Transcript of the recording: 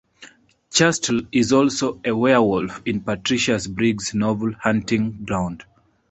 Chastel is also a werewolf in Patricia Briggs' novel, "Hunting Ground".